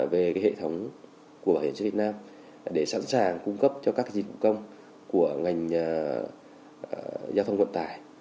về cái hệ thống của bảo hiểm xã hội việt nam để sẵn sàng cung cấp cho các dịch vụ công của ngành giao thông vận tải